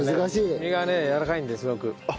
身がやわらかいんですごく。